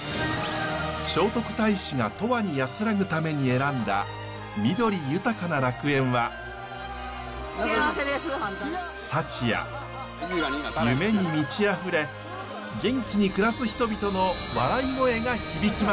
聖徳太子が永遠に安らぐために選んだ緑豊かな楽園は幸や夢に満ちあふれ元気に暮らす人々の笑い声が響きます！